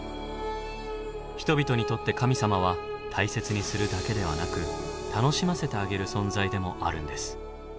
人々にとって神様は大切にするだけではなく楽しませてあげる存在でもあるんです。